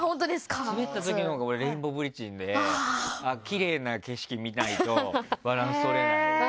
スベった時のほうがレインボーブリッジできれいな景色見ないとバランスとれない。